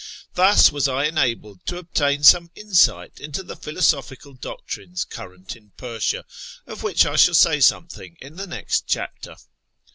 Thus was I enabled to obtain some insight into the philosophical doctrines current in Persia, of which I shall say something in the next chapter.